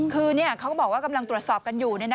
คือเขาก็บอกว่ากำลังตรวจสอบกันอยู่